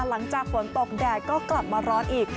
หลังจากฝนตกแดดก็กลับมาร้อนอีก